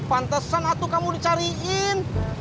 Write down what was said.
pantesan atuh kamu dicariin